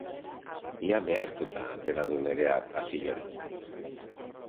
Ia behartuta atera du Nerea pasillora.